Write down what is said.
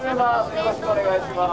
よろしくお願いします。